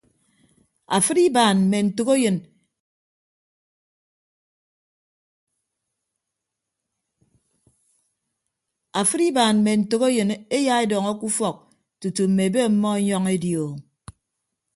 Afịd ibaan mme ntәkeyịn eya edọñọ ke ufọk tutu mme ebe ọmmọ enyọñ edi o.